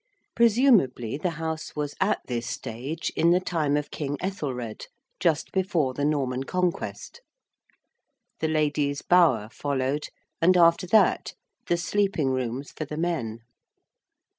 Presumably the house was at this stage in the time of King Ethelred, just before the Norman Conquest. The ladies' 'bower' followed, and after that the sleeping rooms for the men.